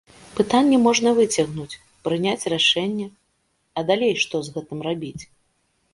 Пытанне можна выцягнуць, прыняць рашэнне, а далей што з гэтым рабіць?